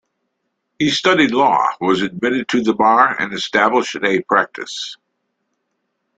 He studied law, was admitted to the bar, and established a practice.